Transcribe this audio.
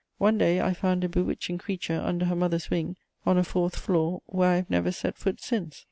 One day, I found a bewitching creature under her mother's wing, on a fourth floor, where I have never set foot since.